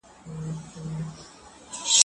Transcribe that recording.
تل د خپلو خبرو لپاره منلي دلایل ولرئ.